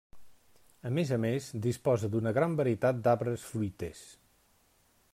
A més a més, disposa d'una gran varietat d'arbres fruiters.